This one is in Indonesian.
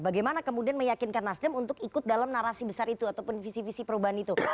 bagaimana kemudian meyakinkan nasdem untuk ikut dalam narasi besar itu ataupun visi visi perubahan itu